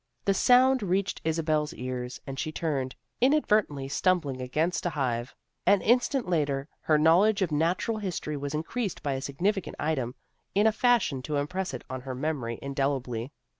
The sound reached Isabel's ears, and she turned, inadvertently stumbling against a hive. An instant later, her knowledge of natural history was increased by a significant item, in a fashion to impress it on her memory indelibly.